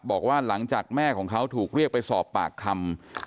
บอกว่าหลังจากแม่ของเขาถูกเรียกไปสอบปากคำ